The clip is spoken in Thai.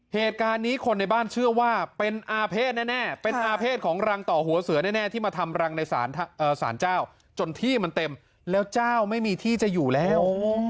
เหตุการณ์นี้คนในบ้านเชื่อว่าเป็นอาเภษแน่เป็นอาเภษของรังต่อหัวเสือแน่ที่มาทำรังในสารเจ้าจนที่มันเต็มแล้วเจ้าไม่มีที่จะอยู่แล้ว